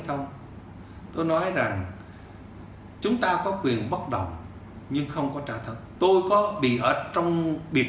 không tôi nói rằng chúng ta có quyền bất động nhưng không có tra tấn tôi có bị ở trong biệt